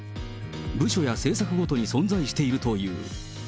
部署や政策ごとに存在しているという。